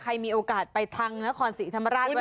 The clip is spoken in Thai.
มีโอกาสไปทางนครศรีธรรมราชไว้